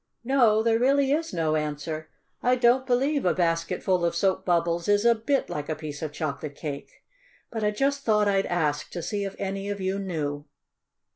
No, there really is no answer. I don't believe a basket full of soap bubbles is a bit like a piece of chocolate cake. But I just thought I'd ask to see if any of you knew."